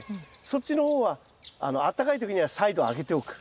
そっちの方はあったかい時にはサイドを開けておく。